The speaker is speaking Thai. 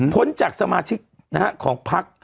ผลจากสมาชิกของพรรค